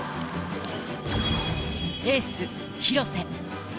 エース廣瀬。